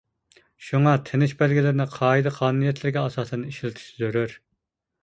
شۇڭا تىنىش بەلگىلىرىنى قائىدە-قانۇنىيەتلىرىگە ئاساسەن ئىشلىتىش زۆرۈر.